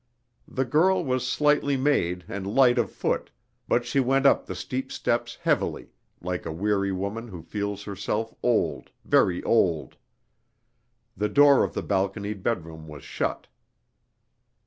The girl was slightly made and light of foot, but she went up the steep steps heavily, like a weary woman who feels herself old, very old. The door of the balconied bedroom was shut.